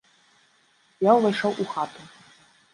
Я ўвайшоў у хату.